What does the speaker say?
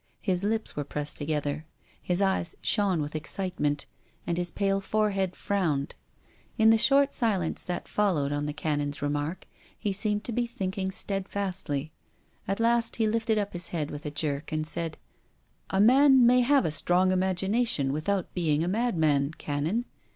His lips were pressed together. His eyes shone with excitement, and his pale forehead frowned. In the short silence that followed on the Canon's re mark, he seemed to be thinking steadfastly. At last he lifted up his head with a jerk and said: " A man may have a strong imagination, with out being a madman, Canon.